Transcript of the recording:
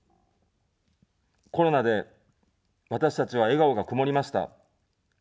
コロナで私たちは笑顔が曇りました。